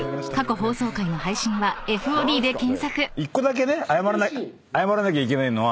１個だけね謝らなきゃいけないのは。